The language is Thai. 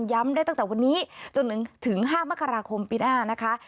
ได้ตั้งแต่วันนี้จนถึง๕มกราคมปีหน้านะคะ